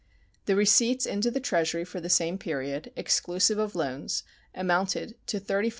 The receipts into the Treasury for the same period, exclusive of loans, amounted to $35,436,750.